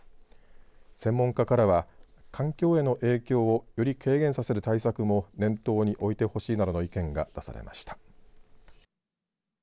専門家からは環境への影響をより軽減させる対策も念頭に置いてほしいなどの意見が出されました。